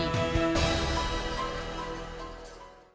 โปรดติดตามตอนต่อไป